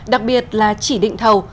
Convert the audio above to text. đặc biệt là trì định thầu